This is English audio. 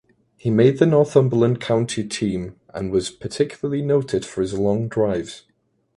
He made the Northumberland county team and was particularly noted for his long drives.